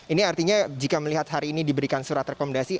ini artinya jika melihat hari ini diberikan surat rekomendasi